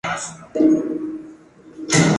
Hideyori cometió seppuku.